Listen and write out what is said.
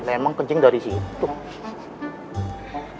emang kejing dari situ